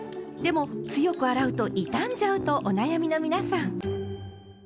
でも強く洗うと傷んじゃうとお悩みの皆さん。